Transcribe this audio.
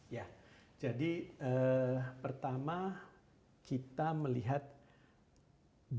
ya jadi pertama kita melihat bahwa